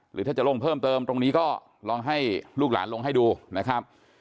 หรือถ้าจะลงเพิ่มเติมตรงนี้ก็ลองให้ลูกหลานลงให้ดูนะครับ